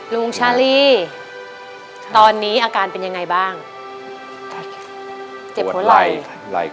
รุงชาลี